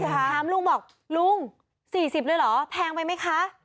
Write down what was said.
ถามลุงบอกลุง๔๐เลยเหรอแพงไปไหมคะ